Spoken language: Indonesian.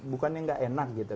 bukannya nggak enak gitu